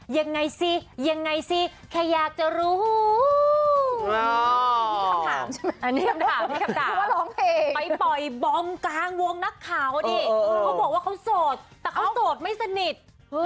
ยังไงสิยังไงสิแค่อยากจะรู้